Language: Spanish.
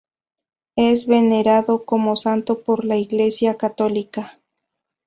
Es venerado como santo por la Iglesia Católica.